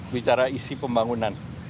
bicara isi pembangunan